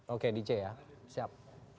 oke dj ya siap